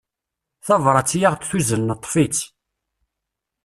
Tabrat i aɣ-d-tuzen neṭṭef-tt.